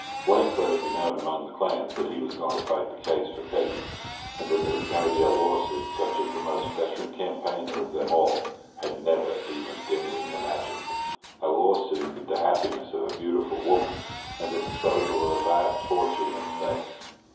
Blake let it be known among the clans that he was going to fight the case for Peggy, and that there was going to be a lawsuit such as the most veteran campaigner of them all had never even dimly imagined—a lawsuit with the happiness of a beautiful woman and the disposal of a vast fortune at stake.